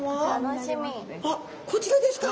あっこちらですか！